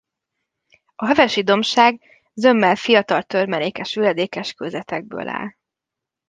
A Hevesi-dombság zömmel fiatal törmelékes üledékes kőzetekből áll.